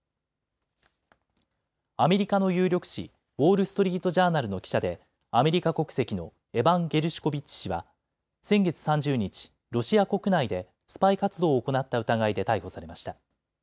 アメリカの有力紙ウォール・ストリート・ジャーナルの記者でアメリカ国籍のエバン・ゲルシュコビッチ氏は先月３０日、ロシア国内でスパイ活動を行った疑いで逮捕されました。